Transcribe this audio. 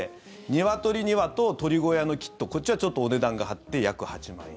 ニワトリ２羽と鳥小屋のキットこっちはちょっとお値段が張って約８万円。